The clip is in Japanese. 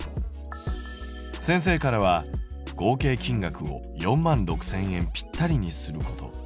先生からは合計金額を４万６０００円ぴったりにすること。